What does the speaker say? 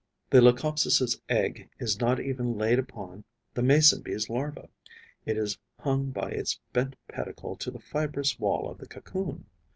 The Leucopsis' egg is not even laid upon the Mason bee's larva; it is hung by its bent pedicle to the fibrous wall of the cocoon.